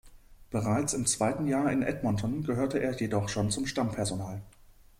Bereits im zweiten Jahr in Edmonton gehörte er jedoch schon zum Stammpersonal.